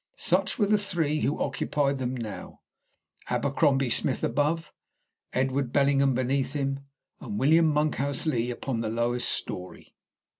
Such were the three who occupied them now Abercrombie Smith above, Edward Bellingham beneath him, and William Monkhouse Lee upon the lowest storey.